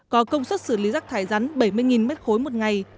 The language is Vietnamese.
có công suất xử lý rắc thải rắn bảy mươi mét khối một ngày